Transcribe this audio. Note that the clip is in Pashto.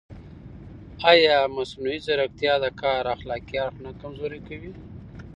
ایا مصنوعي ځیرکتیا د کار اخلاقي اړخ نه کمزوری کوي؟